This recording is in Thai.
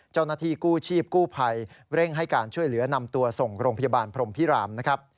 เจ้าหน้าที่กู้ชีพกู้ภัยเร่งให้การช่วยเหลือนำตัวส่งโรงพยาบาลพรมพิรามนะครับ